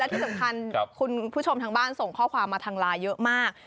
เจอกับคุณผู้ชมทางบ้านก็ส่งข้อความมาทางลายเยอะมาก